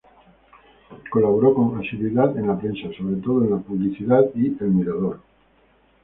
Colaboró con asiduidad en la prensa, sobre todo en "La Publicidad" y "El Mirador".